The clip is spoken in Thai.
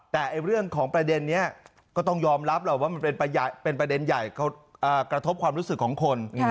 แต่เรื่องของประเด็นนี้ก็ต้องยอมรับแหละว่ามันเป็นประเด็นใหญ่กระทบความรู้สึกของคน